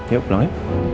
yuk pulang ya